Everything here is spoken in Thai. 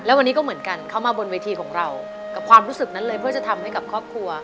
วันนี้ก็เหมือนกันเข้ามาบนเวทีของเรากับความรู้สึกนั้นเลยเพื่อจะทำให้กับครอบครัว